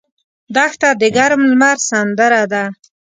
دښته د ګرم لمر سندره ده.